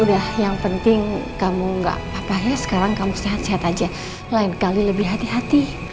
udah yang penting kamu gak apa apa ya sekarang kamu sehat sehat aja lain kali lebih hati hati